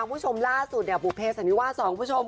คุณผู้ชมล่าสุดเนี่ยบุเภสันนิวาสสองคุณผู้ชม